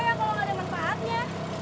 gaya apa kalau gak ada manfaatnya